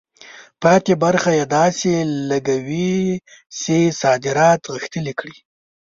پاتې برخه یې داسې لګوي چې صادرات غښتلي کړي.